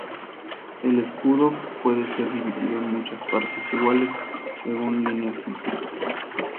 El escudo puede ser dividido en muchas partes iguales, según líneas simples.